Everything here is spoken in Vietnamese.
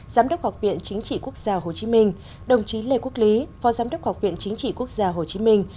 giám đốc học viện chính trị quốc gia hồ chí minh đồng chí lê quốc lý phó giám đốc học viện chính trị quốc gia hồ chí minh